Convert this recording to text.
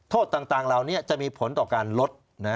โทษต่างราวนี้จะมีผลต่อการลด